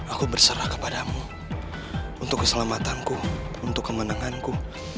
aku berserah kepadamu untuk keselamatanku untuk kemenanganku